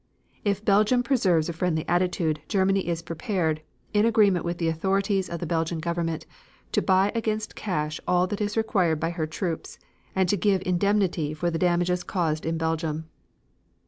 If Belgium preserves a friendly attitude, Germany is prepared, in agreement with the authorities of the Belgian Government, to buy against cash all that is required by her troops, and to give indemnity for the damages caused in Belgium.